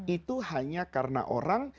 itu hanya karena orang